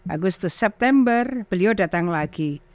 agustus september beliau datang lagi